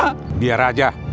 ini ngeresek ya pa